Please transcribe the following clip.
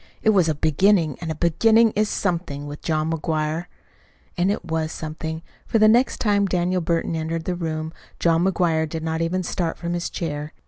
It was a beginning, and a beginning is something with John McGuire." And it was something; for the next time Daniel Burton entered the room, John McGuire did not even start from his chair.